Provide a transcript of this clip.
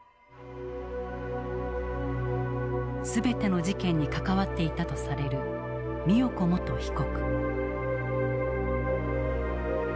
全ての事件に関わっていたとされる美代子元被告。